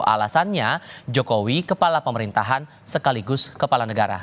alasannya jokowi kepala pemerintahan sekaligus kepala negara